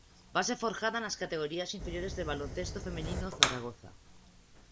Base forjada en las categorías inferiores del Baloncesto Femenino Zaragoza.